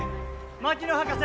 ・槙野博士！